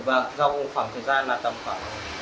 và dòng khoảng thời gian là tầm khoảng